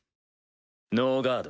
ノーガード。